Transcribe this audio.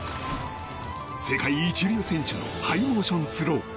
世界一流選手のハイモーションスロー。